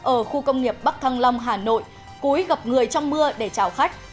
ở khu công nghiệp bắc thăng long hà nội cúi gặp người trong mưa để chào khách